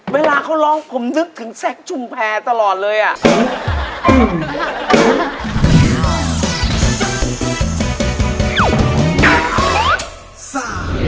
เวลาเขาร้องผมนึกถึงแซคชุมแพรตลอดเลยอ่ะ